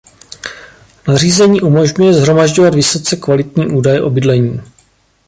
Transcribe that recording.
Nařízení umožňuje shromažďovat vysoce kvalitní údaje o bydlení.